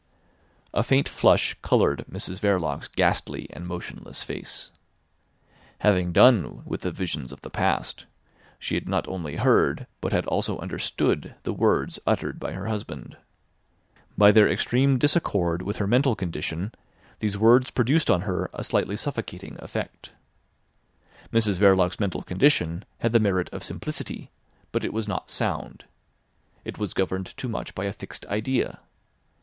A faint flush coloured Mrs Verloc's ghastly and motionless face. Having done with the visions of the past, she had not only heard, but had also understood the words uttered by her husband. By their extreme disaccord with her mental condition these words produced on her a slightly suffocating effect. Mrs Verloc's mental condition had the merit of simplicity; but it was not sound. It was governed too much by a fixed idea.